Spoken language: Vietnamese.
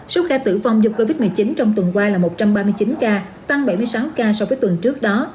số ca tử vong do covid một mươi chín trong tuần qua là một trăm ba mươi chín ca tăng bảy mươi sáu ca so với tuần trước đó